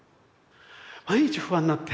毎日不安になって。